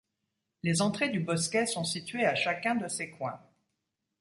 Les entrées du bosquet sont situés à chacun de ses coins.